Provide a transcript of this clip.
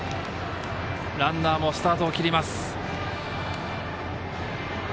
ランナーもスタートを切ります。